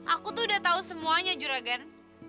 aku tuh udah tau semuanya juragan